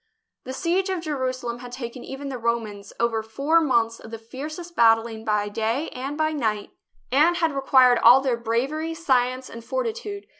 The siege of Jerusalem had taken even the Ro mans over four months of the fiercest battling by day and by night, and had required all their bra THE BOOK OF FAMOUS SIEGES very, science, and fortitude.